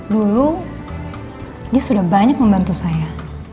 dulu dia sudah banyak membantu saya